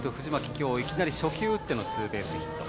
今日いきなり初球を打ってのツーベースヒット。